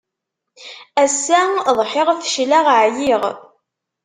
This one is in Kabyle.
Ass-a ḍḥiɣ fecleɣ ɛyiɣ.